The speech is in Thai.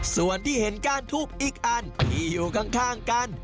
ส่วนที่เห็นก้านทุบอีกอันที่อยู่ข้างกัน